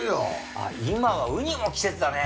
あっ今はウニも季節だね！